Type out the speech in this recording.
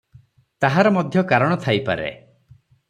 ତାହାର ମଧ୍ୟ କାରଣ ଥାଇପାରେ ।